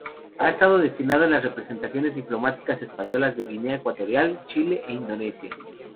Ha estado destinado en las representaciones diplomáticas españolas en Guinea Ecuatorial, Chile e Indonesia.